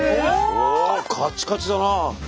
おおカチカチだなあ。